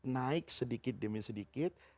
naik sedikit demi sedikit